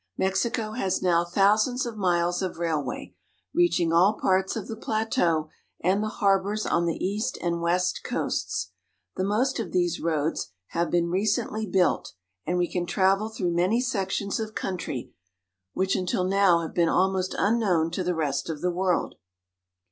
Mexico has now thousands of miles of rail way, reaching all parts of the plateau and the harbors on the east and west coasts. The most of these roads have been recently built, and we can travel through many sections of country which until now have been almost unknown to the rest of the world.